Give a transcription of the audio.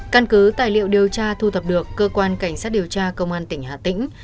căn cứ tài liệu điều tra thu thập được cơ quan cảnh sát điều tra công an tỉnh hà tĩnh